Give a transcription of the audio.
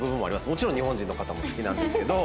もちろん日本人の方も好きなんですけど。